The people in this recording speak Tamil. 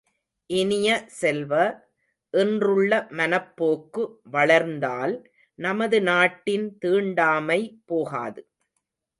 இனிய செல்வ, இன்றுள்ள மனப் போக்கு வளர்ந்தால், நமது நாட்டின் தீண்டாமை போகாது.